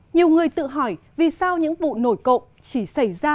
nhiều người tự hỏi vì sao những vụ nổi cộng chỉ xảy ra